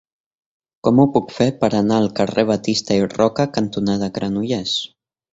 Com ho puc fer per anar al carrer Batista i Roca cantonada Granollers?